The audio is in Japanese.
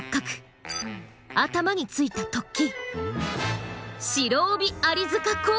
頭についた突起。